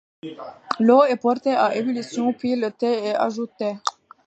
L'eau est portée à ébullition, puis le thé est ajouté.